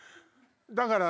だから。